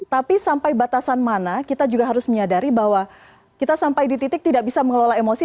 tapi sampai batasan mana kita juga harus menyadari bahwa kita sampai di titik tidak bisa mengelola emosi